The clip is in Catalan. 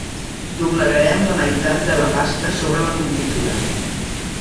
Doblegarem la meitat de la pasta sobre la confitura.